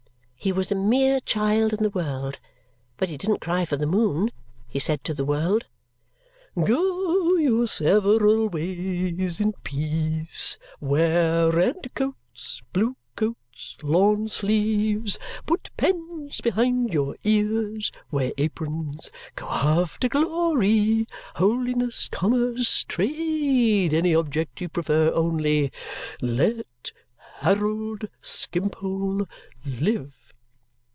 He was a mere child in the world, but he didn't cry for the moon. He said to the world, "Go your several ways in peace! Wear red coats, blue coats, lawn sleeves; put pens behind your ears, wear aprons; go after glory, holiness, commerce, trade, any object you prefer; only let Harold Skimpole live!"